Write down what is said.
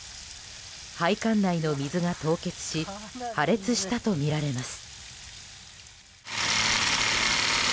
配管内の水が凍結し破裂したとみられます。